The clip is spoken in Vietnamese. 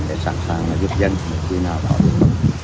để sẵn sàng giúp dân khi nào bão lụt